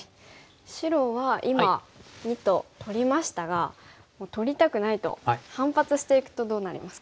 白は今②と取りましたが取りたくないと反発していくとどうなりますか？